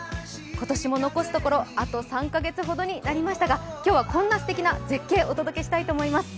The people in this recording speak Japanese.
今年も残すところあと３か月ほどになりましたが今日はこんなすてきな絶景お届けしたいと思います。